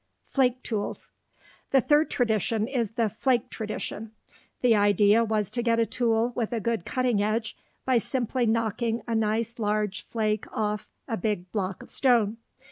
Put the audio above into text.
FLAKE TOOLS The third tradition is the flake tradition. The idea was to get a tool with a good cutting edge by simply knocking a nice large flake off a big block of stone.